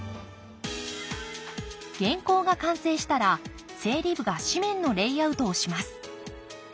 原稿が完成したら整理部が紙面のレイアウトをします。